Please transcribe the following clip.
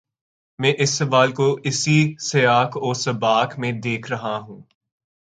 میں اس سوال کو اسی سیاق و سباق میں دیکھ رہا ہوں۔